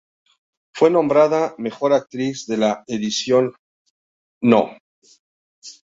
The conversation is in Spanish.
Fue nombrada Mejor Actriz en la edición No.